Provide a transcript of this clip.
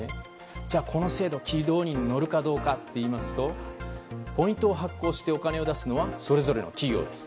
じゃあ、この制度軌道に乗るかどうかといいますとポイントを発行してお金を出すのはそれぞれの企業です。